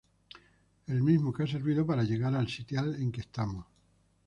El mismo que ha servido para llegar al sitial en que estamos.